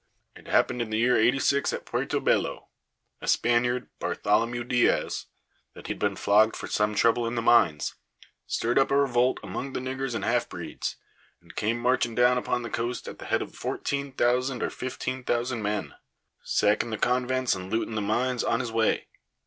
It happened in the year '86 at Puerto Bello. A Spaniard, Bartholomew Diaz, that had been flogged for some trouble in the mines, stirred up a revolt among the niggers and half breeds, and came marching down upon the coast at the head of fourteen thousand or fifteen thousand men, sacking the convents and looting the mines on his way.